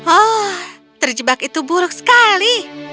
oh terjebak itu buruk sekali